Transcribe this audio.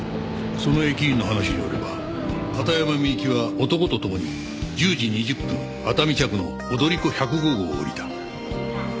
その駅員の話によれば片山みゆきは男と共に１０時２０分熱海着の踊り子１０５号を降りた。